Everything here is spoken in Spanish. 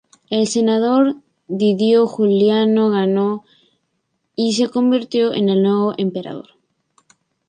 El senador Didio Juliano ganó y se convirtió en el nuevo emperador.